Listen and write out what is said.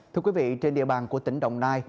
thưa quý vị trên địa bàn của tỉnh đồng nai